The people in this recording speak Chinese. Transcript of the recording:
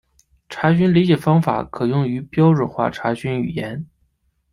查询理解方法可用于标准化查询语言。